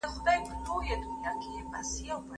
هر څوک حق لري چې حقیقت وپېژني.